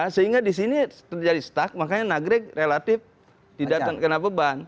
sehingga di sini terjadi stuck makanya nagrek relatif tidak terkena beban